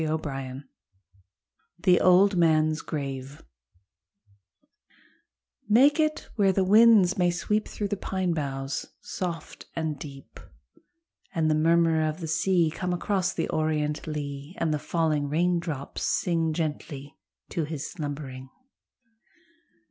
155 THE OLD MAN'S GRAVE Make it where the winds may sweep Through the pine boughs soft and deep, And the murmur of the sea Come across the orient lea, And the falling raindrops sing Gently to his slumbering.